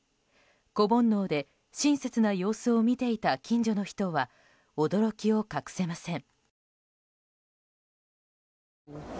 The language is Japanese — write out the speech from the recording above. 子煩悩で親切な様子を見ていた近所の人は驚きを隠せません。